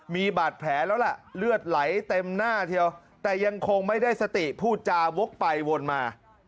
มีบาดแผลแล้วล่ะเลือดไหลเต็มหน้าเทียวแต่ยังคงไม่ได้สติพูดจาวกไปวนมา